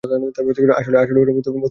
আসলে, ওটা মসৃণ মর্মর দিয়ে বানানো।